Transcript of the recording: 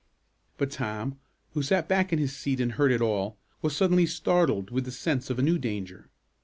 But Tom, who sat back in his seat and heard it all, was suddenly startled with the sense of a new danger.